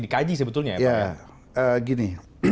dikaji sebetulnya ya pak ya gini